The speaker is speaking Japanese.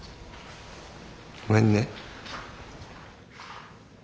ごめんね。